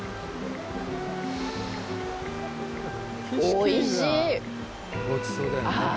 おいしいっ！